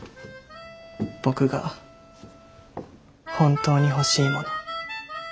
僕が本当に欲しいもの。